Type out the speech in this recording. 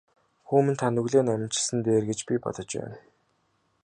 Хүү минь та нүглээ наманчилсан нь дээр гэж би бодож байна.